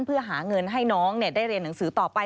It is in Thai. เพื่อหาเงินให้น้องได้เรียนหนังสือต่อไป